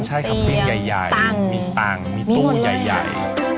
ใช่ครับมีตั้งมีตู้ใหญ่